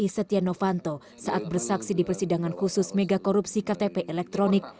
setia novanto saat bersaksi di persidangan khusus mega korupsi ktp elektronik